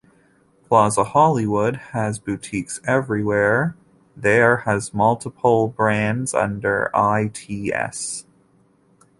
Plaza Hollywood has boutiques everywhere, there has multiple brands under i.t.'s.